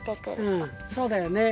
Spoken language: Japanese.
うんそうだよね。